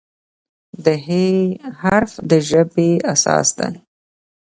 د "ه" حرف د ژبې اساس دی.